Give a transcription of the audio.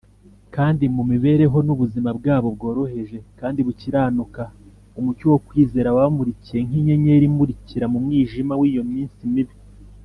kandi mu mibereho n’ubuzima bwabo bworoheje kandi bukiranuka, umucyo wo kwizera wabamurikiye nk’inyenyeri imurikira mu mwijima w’iyo minsi mibi.